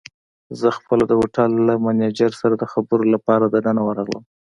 زه خپله د هوټل له مېنېجر سره د خبرو لپاره دننه ورغلم.